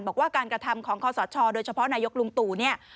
บอกว่าการกระทำของคอสชโดยเฉพาะนายกลุงตู่เนี่ย